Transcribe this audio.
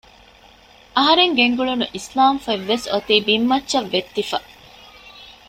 އަހަރެން ގެންގުޅުނު އިސްލާމް ފޮތްވެސް އޮތީ ބިންމައްޗަށް ވެއްތިފަ